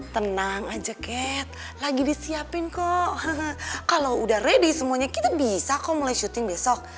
tenang aja kat lagi disiapin kok kalau udah ready semuanya kita bisa kok mulai syuting besok